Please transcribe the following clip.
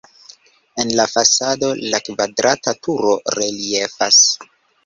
En la fasado la kvadrata turo reliefas.